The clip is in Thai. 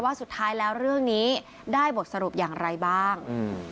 สุดท้ายแล้วเรื่องนี้ได้บทสรุปอย่างไรบ้าง